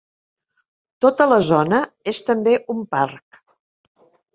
Tota la zona és també un parc.